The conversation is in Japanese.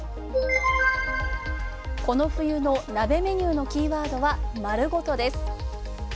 この冬の鍋メニューのキーワードは「まるごと」です。